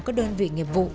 các đơn vị nghiệp vụ